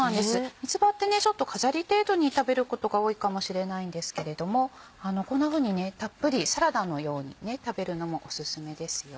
三つ葉ってちょっと飾り程度に食べることが多いかもしれないんですけれどもこんなふうにたっぷりサラダのように食べるのもオススメですよ。